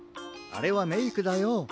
あれはメイクだよ。